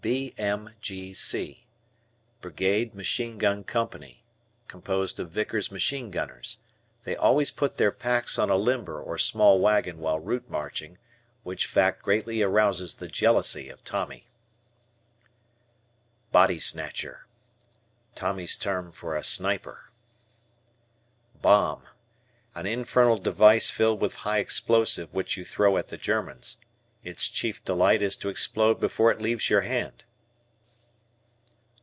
B.M.G.C. Brigade Machine Gun Company, composed of Vickers machine gunners. They always put their packs on a limber or small wagon while route marching, which fact greatly arouses the Jealousy of Tommy. "Body Snatcher." Tommy's term for a sniper. Bomb. An infernal device filled with high explosive which you throw at the Germans. Its chief delight is to explode before it leaves your hand.